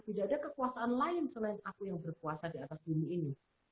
tidak ada kekuasaan lain selain aku yang berpuasa di atas bumi ini